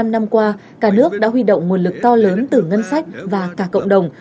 bảy mươi năm năm qua cả nước đã huy động nguồn lực to lớn từ ngân sách và cả cộng đồng